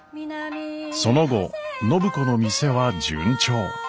その後暢子の店は順調。